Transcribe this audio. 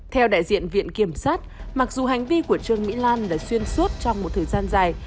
theo đại diện viện kiểm sát mặc dù hành vi của trương mỹ lan là xuyên suốt trong một thời gian dài